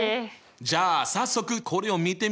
じゃあ早速これを見てみよう。